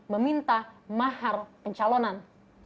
meminta mahar pencalonan